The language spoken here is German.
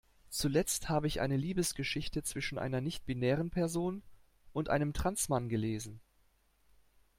Zuletzt hab ich eine Liebesgeschichte zwischen einer nichtbinären Person und einem Trans-Mann gelesen.